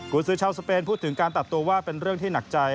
คุณซื้อชาวสเปนพูดถึงการตัดตัวว่าเป็นเรื่องที่หนักใจ